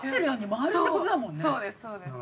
そうですそうです。